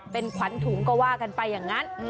เป็นขวัญถุงก็ว่ากันไปอย่างนั้น